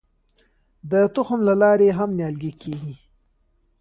د تخم له لارې هم نیالګي کیږي.